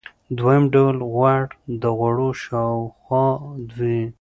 دویم ډول غوړ د غړو شاوخوا وي.